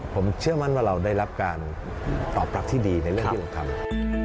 ผมเชื่อมั่นว่าเราได้รับการตอบรับที่ดีในเรื่องที่เราทำ